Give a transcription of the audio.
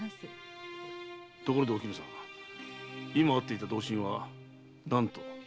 ところでお絹さん今会っていた同心は何と？